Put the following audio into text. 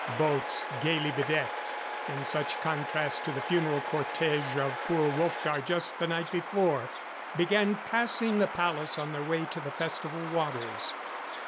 Boats gayly bedecked in such contrast to the funeral cortege of poor Wolfgar just the night before began passing the palace on their way to the festival waters.